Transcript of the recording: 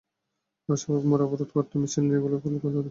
তাঁরা শাহবাগ মোড় অবরোধ করতে মিছিল নিয়ে এগোলে পুলিশ বাধা দেয়।